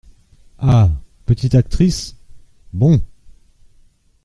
Ah ! petites actrices !… bon !…